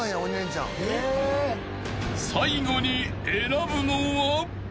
［最後に選ぶのは？］